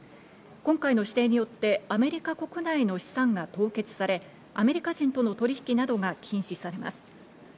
今回の指定によってアメリカ国内の資産が凍結され、アメリカ人との取引などが禁止されます。